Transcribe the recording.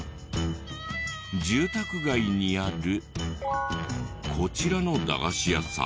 住宅街にあるこちらの駄菓子屋さん。